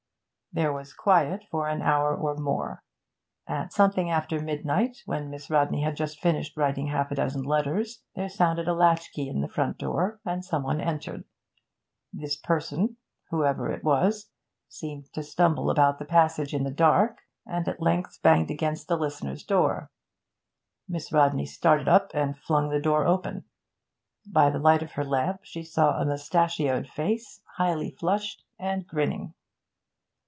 There was quiet for an hour or more. At something after midnight, when Miss Rodney had just finished writing half a dozen letters, there sounded a latch key in the front door, and some one entered. This person, whoever it was, seemed to stumble about the passage in the dark, and at length banged against the listener's door. Miss Rodney started up and flung the door open. By the light of her lamp she saw a moustachioed face, highly flushed, and grinning.